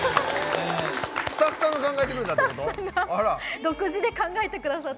スタッフさんが考えてくれたってこと大丈夫かな。